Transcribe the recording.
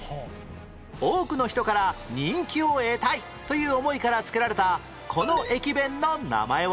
多くの人から人気を得たい！という思いから付けられたこの駅弁の名前は？